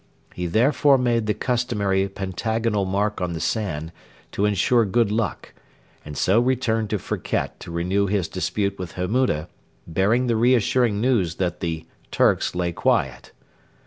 He therefore made the customary pentagonal mark on the sand to ensure good luck, and so returned to Firket to renew his dispute with Hammuda, bearing the reassuring news that 'the Turks lay quiet.'